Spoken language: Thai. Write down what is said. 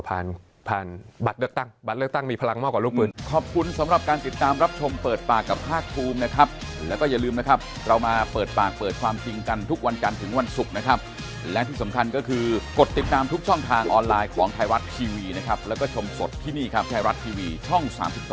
ผ่านผ่านบัตรเลือกตั้งบัตรเลือกตั้งมีพลังมากกว่าลูกมือ